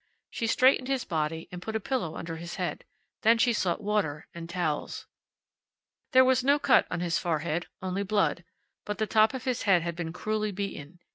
She straightened his body and put a pillow under his head. Then she sought water and towels. There was no cut on his forehead, only blood; but the top of his head had been cruelly beaten.